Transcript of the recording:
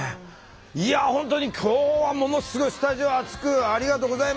いや本当に今日はものすごいスタジオ熱くありがとうございました。